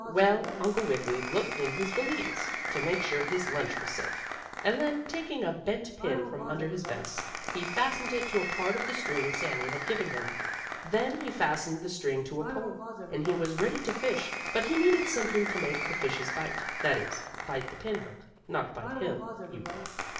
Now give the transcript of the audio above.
Well, Uncle Wiggily looked in his valise, to make sure his lunch was safe, and then, taking a bent pin from under his vest, he fastened it to a part of the string Sammie had given him. Then he fastened the string to a pole, and he was ready to fish, but he needed something to make the fishes bite that is, bite the pinhook, not bite him, you know.